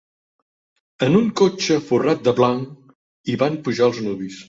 En un cotxe forrat de blanc hi van pujar els nuvis